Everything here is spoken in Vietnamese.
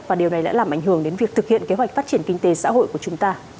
và điều này đã làm ảnh hưởng đến việc thực hiện kế hoạch phát triển kinh tế xã hội của chúng ta